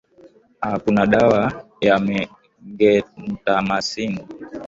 aa kuna dawa ya gentamycin